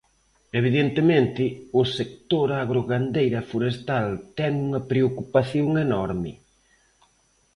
Evidentemente, o sector agrogandeiro e forestal ten unha preocupación enorme.